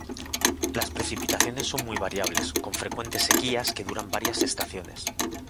Las precipitaciones son muy variables, con frecuentes sequías que duran varias estaciones.